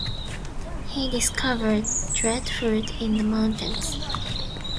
He discovered breadfruit in the mountains.